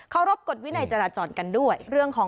เคารพกฎวินัยจรจรกันด้วย